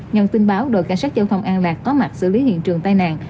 nhận tin báo đội cảnh sát châu phòng an lạc có mặt xử lý hiện trường tai nạn